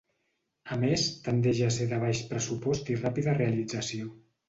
A més, tendeix a ser de baix pressupost i ràpida realització.